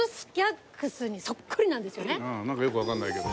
うんなんかよくわからないけど。